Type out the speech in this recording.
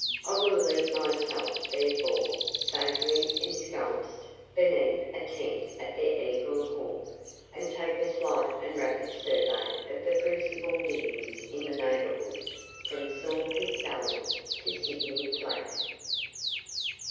I will leave myself, therefore, safely ensconced beneath a tent at the Eagle Hawk, and take a slight and rapid survey of the principal diggings in the neighbourhood from Saw pit Gully to Sydney Flat.